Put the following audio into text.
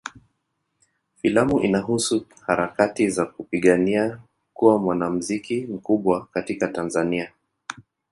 Filamu inahusu harakati za kupigania kuwa mwanamuziki mkubwa katika Tanzania.